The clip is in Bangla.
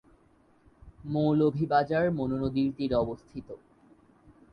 মৌলভীবাজার মনু নদীর তীরে অবস্থিত।